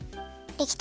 できた。